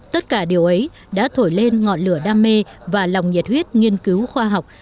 tất cả điều ấy đã thổi lên ngọn lửa đam mê và lòng nhiệt huyết nghiên cứu khoa học